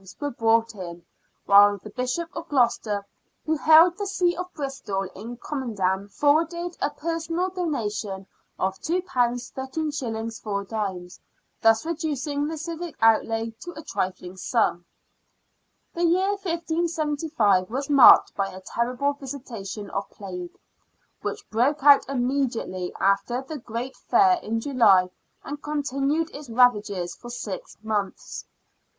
were brought in, while the Bishop of Gloucester, who held the See of Bristol in commendam, forwarded a personal donation of £2 13s. 4d., thus reducing the civic outlay to a trifling sum. The year 1575 was marked by a terrible visitation of plague, which broke out immediately after the great fair in July and continued its ravages for six months.